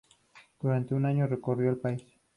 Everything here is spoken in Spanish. Durante un año recorrió el país.